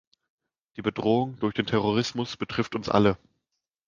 Die Bedrohung durch den Terrorismus betrifft uns alle.